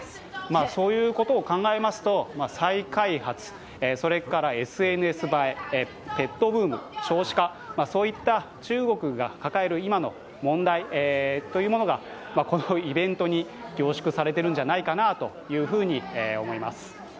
そういうことを考えますと、再開発、それからＳＮＳ映え、ペットブーム、少子化、そういった中国が抱える今の問題というものがこのイベントに凝縮されているんじゃないかなと思います。